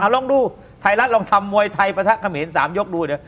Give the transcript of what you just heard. ลองดูไทยรัฐลองทำมวยไทยประทะเขมร๓ยกดูเดี๋ยว